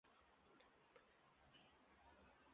布吕莱迈。